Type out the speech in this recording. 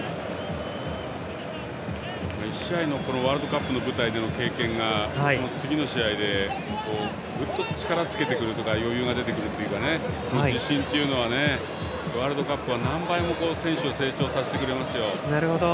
１試合のワールドカップの舞台での経験が次の試合でグッと力をつけてくる余裕というかこの自信というのはワールドカップは何倍も選手を成長させてくれますよ。